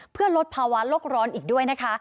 เพื่อลดภาวะโลกร้อนอีกด้วยนะคะ